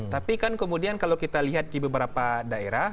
tapi kan kemudian kalau kita lihat di beberapa daerah